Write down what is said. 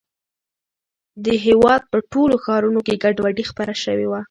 د هېواد په ټولو ښارونو کې ګډوډي خپره شوې وه.